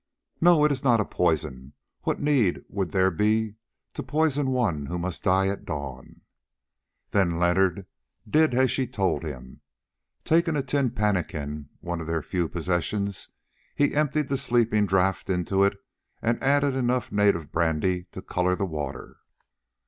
"No, it is not a poison. What need would there be to poison one who must die at dawn?" Then Leonard did as she told him. Taking a tin pannikin, one of their few possessions, he emptied the sleeping draught into it and added enough native brandy to colour the water.